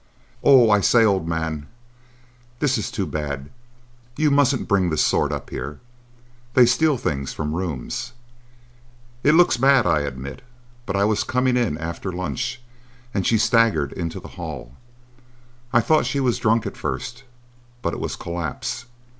"Oh, I say, old man, this is too bad! You mustn't bring this sort up here. They steal things from the rooms." "It looks bad, I admit, but I was coming in after lunch, and she staggered into the hall. I thought she was drunk at first, but it was collapse.